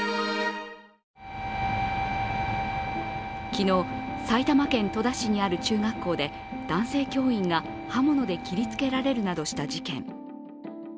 昨日、埼玉県戸田市にある中学校で、男性教員が刃物で切りつけられるなどした事件。